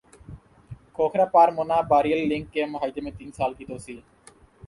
کھوکھرا پار Munabao rail link کے معاہدے میں تین سال کی توسیع